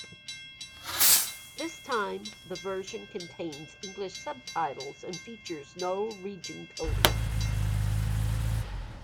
This time the version contained English subtitles and features no region coding.